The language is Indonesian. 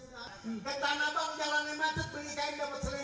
ketahan abang calonnya macet beli kain dapat selendang